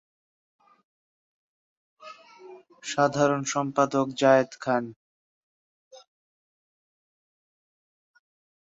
সাধারণ সম্পাদক: জায়েদ খান।